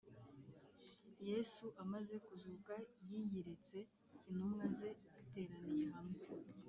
Yesu amaze kuzuka yiyiretse intumwa ze ziteraniye hamwe.